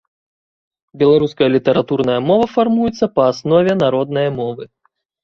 Беларуская літаратурная мова фармуецца па аснове народнае мовы.